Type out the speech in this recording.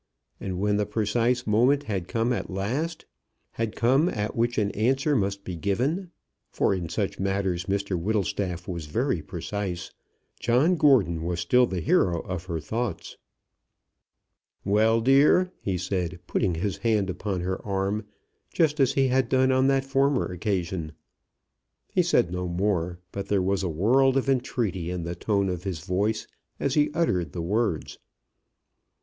And when the precise moment had come at which an answer must be given, for in such matters Mr Whittlestaff was very precise, John Gordon was still the hero of her thoughts. "Well, dear," he said, putting his hand upon her arm, just as he had done on that former occasion. He said no more, but there was a world of entreaty in the tone of his voice as he uttered the words.